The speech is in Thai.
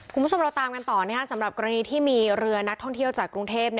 คุณผู้ชมเราตามกันต่อสำหรับกรณีที่มีเรือนักท่องเที่ยวจากกรุงเทพ